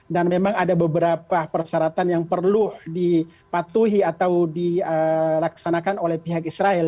dan memang ada beberapa persyaratan yang perlu dipatuhi atau dilaksanakan oleh pihak israel